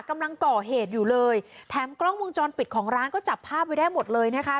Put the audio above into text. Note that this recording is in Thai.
กำลังก่อเหตุอยู่เลยแถมกล้องวงจรปิดของร้านก็จับภาพไว้ได้หมดเลยนะคะ